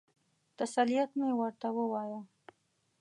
تسلیت مې ورته ووایه.